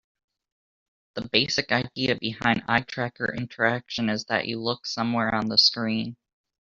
The basic idea behind eye tracker interaction is that you look somewhere on the screen.